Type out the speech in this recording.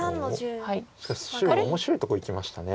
しかし白面白いとこいきました。